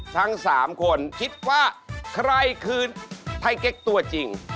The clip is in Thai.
ทั้ง๓คนคิดว่าใครคือไทยเก๊กตัวจริง